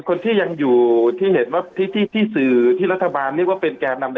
คนที่ยังอยู่ที่เห็นว่าที่สื่อที่รัฐบาลเรียกว่าเป็นแก่นำ